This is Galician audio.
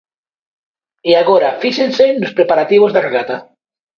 E agora fíxense nos preparativos da regata.